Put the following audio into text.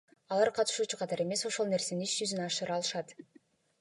Алар катышуучу катары эмес, ошол нерсени иш жүзүнө ашыра алышат.